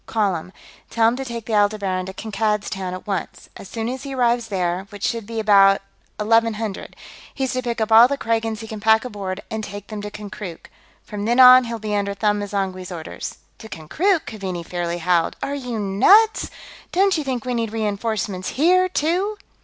"Call him. Tell him to take the Aldebaran to Kankad's Town, at once; as soon as he arrives there, which ought to be about 1100, he's to pick up all the Kragans he can pack aboard and take them to Konkrook. From then on, he'll be under Them M'zangwe's orders." "To Konkrook?" Keaveney fairly howled. "Are you nuts? Don't you think we need reenforcements here, too?"